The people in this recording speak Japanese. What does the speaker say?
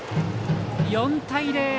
４対０。